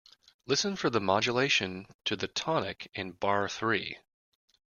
Listen for the modulation to the tonic in bar three.